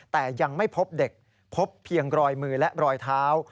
แต่ยังไม่พบเด็กพบเพียงรอยมือและรอยเท้า